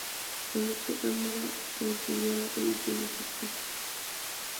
En dicha cámara presidió la Comisión de Justicia.